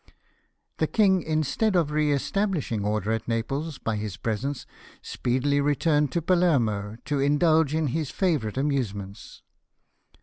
The king, instead of re establishing order at Naples by his presence, speedily returned to Palermo to indulge in his favourite amusements.